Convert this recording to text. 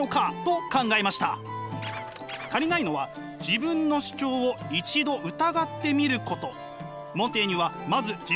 足りないのは自分の主張を一度疑ってみること。